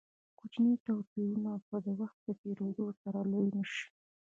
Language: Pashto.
کوچني توپیرونه به د وخت په تېرېدو سره لوی نه شي.